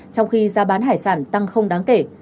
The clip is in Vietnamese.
trong khi giá bán hải sản tăng không đáng kể